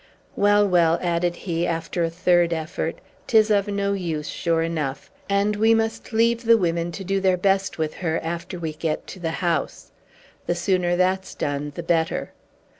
Well, well," added he, after a third effort, "'tis of no use, sure enough; and we must leave the women to do their best with her, after we get to the house. The sooner that's done, the better."